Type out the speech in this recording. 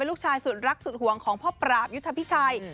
ลูกชายสุดรักสุดห่วงของพ่อปราบยุทธพิชัย